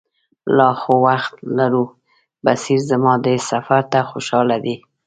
لا خو وخت لرو، بصیر زما دې سفر ته خوشاله دی.